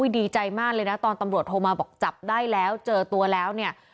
ดีใจมากเลยนะตอนตำรวจโทรมาบอกจับได้แล้วเจอตัวแล้วเนี่ย